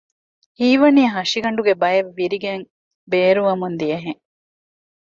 ހީވަނީ ހަށިގަނޑުގެ ބައެއް ވިރިގެން ބޭރުވަމުން ދިޔަހެން